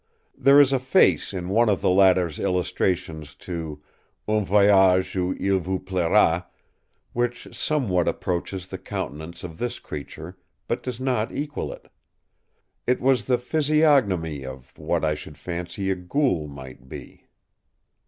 There is a face in one of the latter’s illustrations to Un Voyage o√π il vous plaira, which somewhat approaches the countenance of this creature, but does not equal it. It was the physiognomy of what I should fancy a ghoul might be.